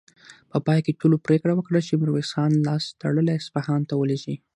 په پای کې ټولو پرېکړه وکړه چې ميرويس خان لاس تړلی اصفهان ته ولېږي.